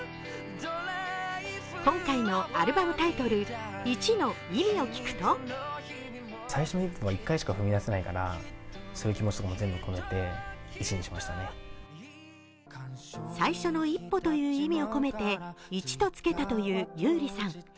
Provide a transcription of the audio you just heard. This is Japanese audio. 今回のアルバムタイトル「壱」の意味を聞くと「最初の一歩」という意味を込めて、「壱」とつけたという優里さん。